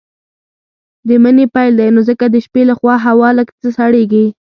د مني پيل دی نو ځکه د شپې لخوا هوا لږ څه سړييږي.